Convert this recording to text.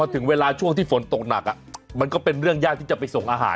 ที่ฝนตกหนักมันก็เป็นเรื่องยากที่จะไปส่งอาหาร